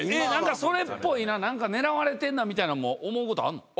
それっぽいな狙われてんなみたいな思うことあるの？